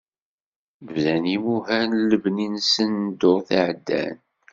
Bdan yimuhal n lebni-nsen ddurt iɛeddan.